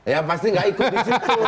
ya pasti nggak ikut di situ